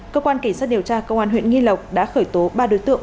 cơ quan kỳ sát điều tra công an huyện nghi lộc đã khởi tố ba đối tượng